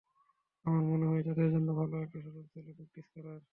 আমার মনে হয়, তাদের জন্য ভালো একটা সুযোগ ছিল প্র্যাকটিস করার।